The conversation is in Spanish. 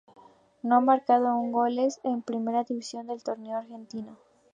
No ha marcado aún goles en primera división del torneo argentino.